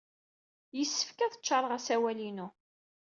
Yessefk ad ččaṛeɣ asawal-inu.